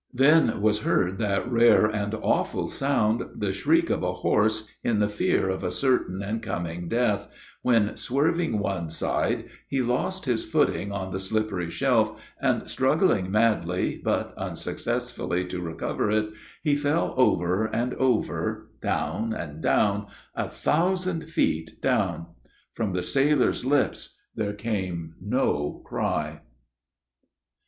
Then was heard that rare and awful sound, the shriek of a horse in the fear of a certain and coming death; when swerving one side, he lost his footing on the slippery shelf, and struggling madly, but unsuccessfully, to recover it, he fell over and over down down a thousand feet down! From the sailor's lips there came no cry.